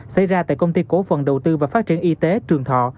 xảy ra tại công ty cổ phần đầu tư và phát triển y tế trường thọ